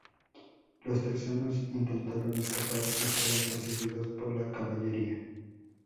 Los texanos intentaron escapar y fueron perseguidos por la caballería.